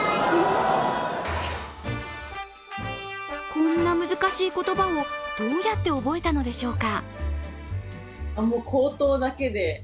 こんな難しい言葉をどうやって覚えたのでしょうか？